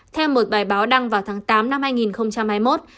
theo một bài báo đăng vào tháng tám năm hai nghìn hai mươi một